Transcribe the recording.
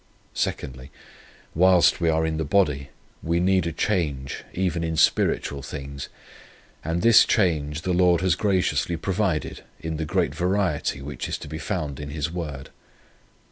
2, Whilst we are in the body, we need a change even in spiritual things; and this change the Lord has graciously provided in the great variety which is to be found in His word.